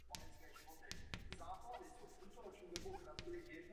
Tak by tomu opravdu nemělo být.